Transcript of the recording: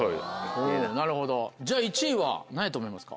おぉなるほどじゃあ１位は何やと思いますか？